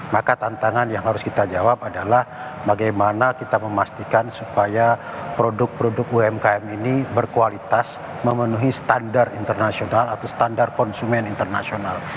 maka tantangan yang harus kita jawab adalah bagaimana kita memastikan supaya produk produk umkm ini berkualitas memenuhi standar internasional atau standar konsumen internasional